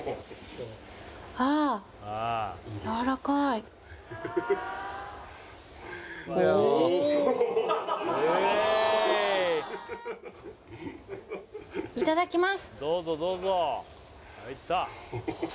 あっおっいただきます